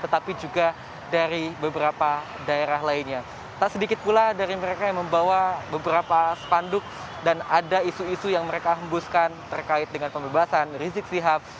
tetapi juga dari beberapa daerah lainnya tak sedikit pula dari mereka yang membawa beberapa spanduk dan ada isu isu yang mereka hembuskan terkait dengan pembebasan rizik sihab